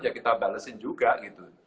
ya kita balesin juga gitu